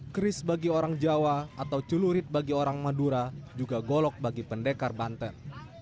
keris bagi orang jawa atau celurit bagi orang madura juga golok bagi pendekar banten